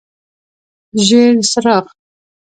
ژیړ څراغ: